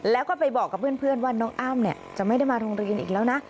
แล้วก็ไปบอกกับเพื่อนว่าน้องอ้ำจะไม่ได้มาโรงเรียนอีกแล้วนะ